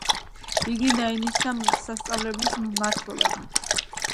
იგი დაინიშნა სასწავლებლის მმართველად.